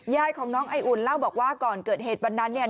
ยายของน้องไออุ่นเล่าบอกว่าก่อนเกิดเหตุวันนั้นเนี่ย